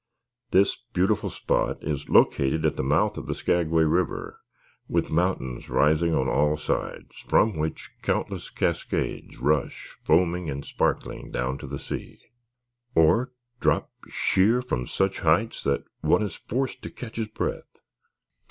This beautiful spot is located at the mouth of the Skagway River, with mountains rising on all sides, from which countless cascades rush foaming and sparkling down to the sea, or drop sheer from such heights that one is forced to catch his breath.